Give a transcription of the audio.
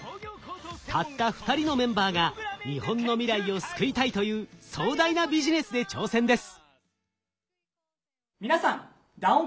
たった２人のメンバーが日本の未来を救いたいという壮大なビジネスで挑戦です。